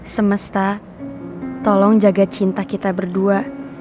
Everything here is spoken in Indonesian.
semesta tolong jaga cinta kita berdua